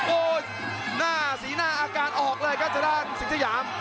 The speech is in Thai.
โอ้โหหน้าสีหน้าอาการออกเลยครับทางด้านสิงสยาม